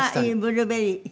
ブルーベリー。